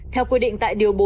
không phải đâu